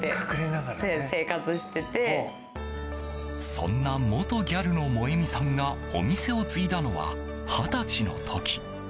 そんな元ギャルの萌美さんがお店を継いだのは二十歳の時。